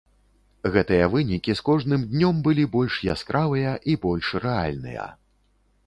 Гэтыя вынікі з кожным днём былі больш яскравыя і больш рэальныя.